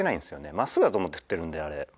真っすぐだと思って振ってるんであれ。